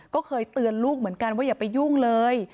ก็เคยเตือนลูกเหมือนกันว่าอย่าไปยุ่งเลย